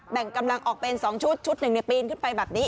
แบ่งกำลังออกเป็น๒ชุดชุดหนึ่งปีนขึ้นไปแบบนี้